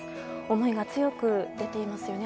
思いが強く出ていますよね。